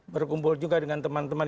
berkumpul juga dengan teman teman